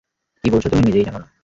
কী বলছ তুমি নিজেই জানো না।